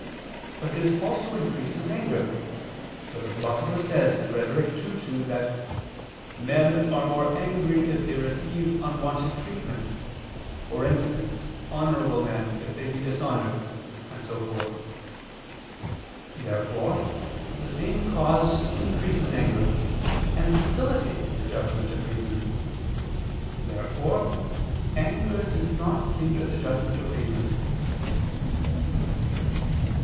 But this also increases anger: for the Philosopher says (Rhet. ii, 2) that "men are more angry if they receive unwonted treatment; for instance, honorable men, if they be dishonored": and so forth. Therefore the same cause increases anger, and facilitates the judgment of reason. Therefore anger does not hinder the judgment of reason.